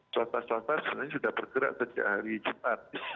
suatu saat suatu saat ini sudah bergerak sejak hari jumat